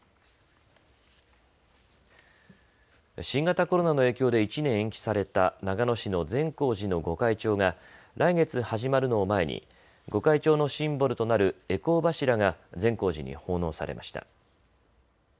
新型コロナの影響で１年延期された長野市の善光寺の御開帳が来月始まるのを前に御開帳のシンボルとなる回向柱が善光寺に奉納されました。